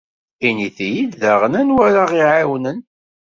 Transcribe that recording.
Init-iyi-d daɣen anwa ara ɣ-iɛiwnen.